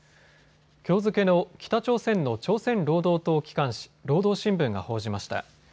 きょう付けの北朝鮮の朝鮮労働党機関紙、労働新聞が報じました。